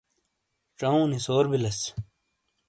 چاونی سور بیلیس